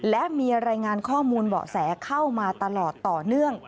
และมีรายงานข้อมูลเบาะแสเข้ามาตลอดต่อเนื่อง